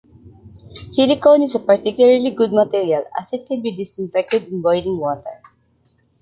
Silicone is a particularly good material, as it can be disinfected in boiling water.